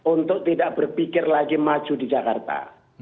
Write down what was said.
untuk tidak berpikir lagi maju di jakarta